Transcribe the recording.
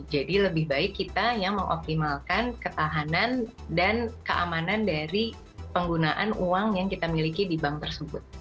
jadi lebih baik kita yang mengoptimalkan ketahanan dan keamanan dari penggunaan uang yang kita miliki di bank tersebut